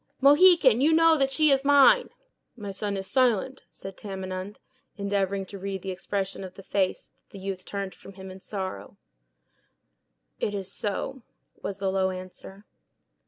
"Mohican, you know that she is mine." "My son is silent," said Tamenund, endeavoring to read the expression of the face that the youth turned from him in sorrow. "It is so," was the low answer.